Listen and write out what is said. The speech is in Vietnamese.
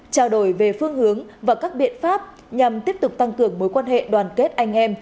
trao đổi về phương hướng và các biện pháp nhằm tiếp tục tăng cường mối quan hệ đoàn kết anh em